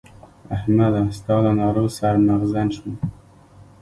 احمده! ستا له نارو سر مغزن شوم.